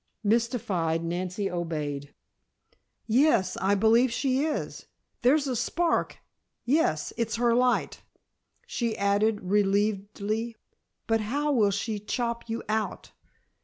Mystified, Nancy obeyed. "Yes, I believe she is. There's a spark yes, it's her light," she added relievedly. "But how will she chop you out?"